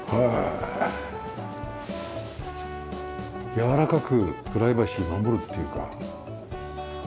やわらかくプライバシー守るっていうかねえ。